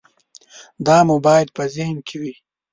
دا مو باید په ذهن کې وي.